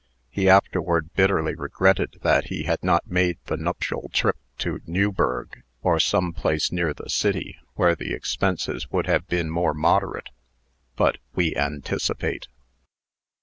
He afterward bitterly regretted that he had not made the nuptial trip to Newburg, or some place near the city, where the expenses would have been more moderate. But we anticipate.